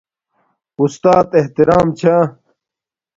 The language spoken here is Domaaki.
استات احترام چھا